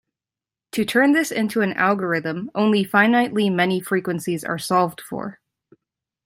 To turn this into an algorithm, only finitely many frequencies are solved for.